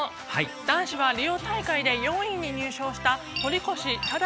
男子はリオ大会で４位に入賞した堀越信司選手。